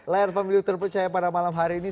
layar pemilu terpercaya pada malam hari ini